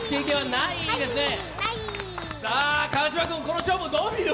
川島君、この勝負、どう見る？